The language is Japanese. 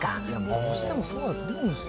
どうしてもそうやと思うんですよ。